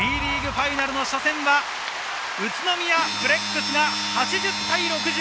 ファイナルの初戦は宇都宮ブレックスが８０対６１。